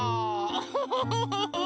ウフフフフフ！